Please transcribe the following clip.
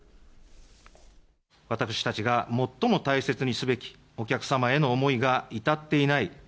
私たちが最も大切にすべきお客様への思いが至っていない。